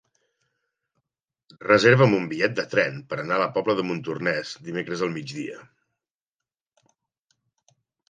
Reserva'm un bitllet de tren per anar a la Pobla de Montornès dimecres al migdia.